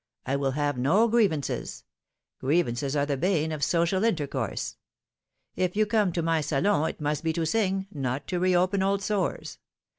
I will have no griev ances ; grievances are the bane of social intercourse. If you come to my salon it must be to sing, not to reopen old sores.